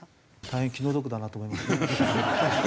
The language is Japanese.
大変気の毒だなと思いますね。